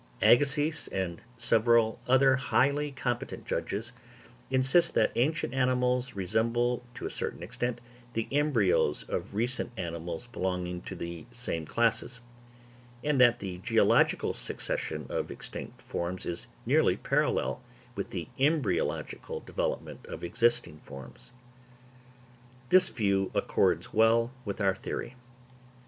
Agassiz and several other highly competent judges insist that ancient animals resemble to a certain extent the embryos of recent animals belonging to the same classes; and that the geological succession of extinct forms is nearly parallel with the embryological development of existing forms. This view accords admirably well with our theory.